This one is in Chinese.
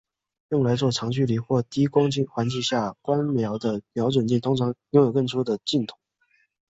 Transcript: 用来做长距离或低光环境下观瞄的瞄准镜通常拥有更粗的镜筒。